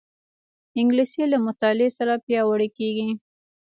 انګلیسي له مطالعې سره پیاوړې کېږي